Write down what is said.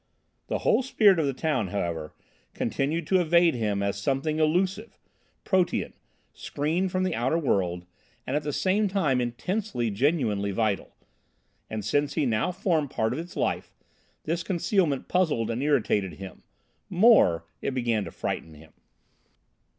The whole spirit of the town, however, continued to evade him as something elusive, protean, screened from the outer world, and at the same time intensely, genuinely vital; and, since he now formed part of its life, this concealment puzzled and irritated him; more—it began rather to frighten him.